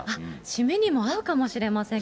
締めにも合うかもしれません。